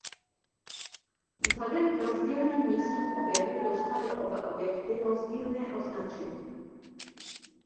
Vzhledem k rozdílným místům objevu dostaly oba objekty rozdílné označení.